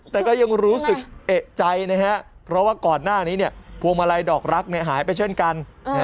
แต่ก็ยังรู้สึกเอกใจนะครับเพราะว่าก่อนหน้านี้พวงมาลัยดอกรักหายไปเช่นกัน